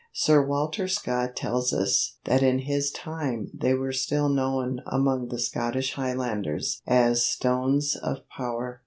Sir Walter Scott tells us that in his time they were still known among the Scottish Highlanders as "Stones of Power."